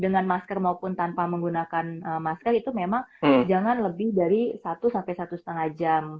dengan masker maupun tanpa menggunakan masker itu memang jangan lebih dari satu sampai satu lima jam